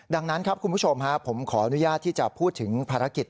ดังนั้นครับคุณผู้ชมผมขออนุญาตที่จะพูดถึงภารกิจ